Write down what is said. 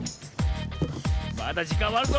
まだじかんはあるぞ！